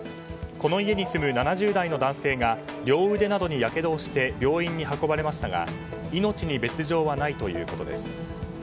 この家に住む７０代の男性が両腕などにやけどをして病院に運ばれましたが命に別条はないということです。